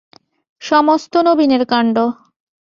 সমস্ত নবীনের কাণ্ড।